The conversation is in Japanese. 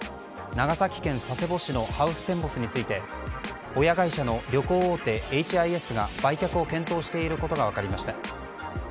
長崎県佐世保市のハウステンボスについて親会社の旅行大手エイチ・アイ・エスが売却を検討していることが分かりました。